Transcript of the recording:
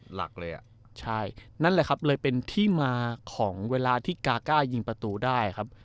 หลักเลยอ่ะใช่นั่นแหละครับเลยเป็นที่มาของเวลาที่กาก้ายิงประตูได้ครับ